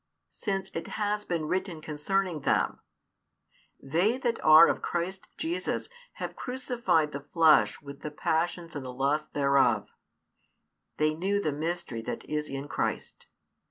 Since it has been written concerning them: They that are of Christ Jesus have crucified the flesh with the passions and the lusts thereof, they knew the mystery that is in Christ.